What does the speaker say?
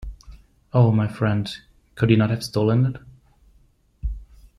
Oh, my friend, could he not have stolen it?